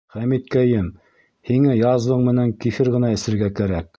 Хәмиткәйем, һиңә язваң менән кефир ғына эсергә кәрәк.